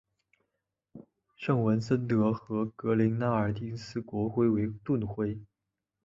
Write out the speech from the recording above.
圣文森特和格林纳丁斯国徽为盾徽。